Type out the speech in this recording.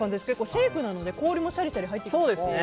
シェイクなので氷もシャリシャリと入ってますね。